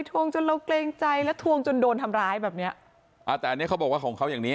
วงจนเราเกรงใจแล้วทวงจนโดนทำร้ายแบบเนี้ยอ่าแต่อันนี้เขาบอกว่าของเขาอย่างนี้